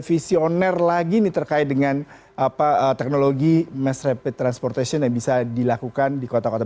visioner lagi nih terkait dengan apa teknologi mass rapid transportation yang bisa dilakukan di kota kota